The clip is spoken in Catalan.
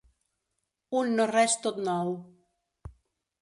Un no res tot nou.